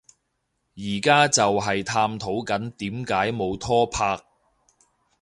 而家就係探討緊點解冇拖拍